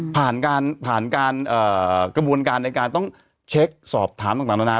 ผ่านการผ่านการกระบวนการในการต้องเช็คสอบถามต่างนานา